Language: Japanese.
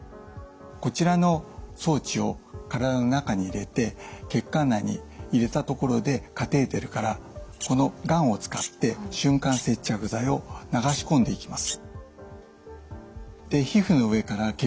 こちらの装置を体の中に入れて血管内に入れたところでカテーテルからこのガンを使って瞬間接着剤を流し込んでいきます。